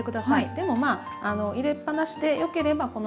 でもまあ入れっぱなしでよければこのままで。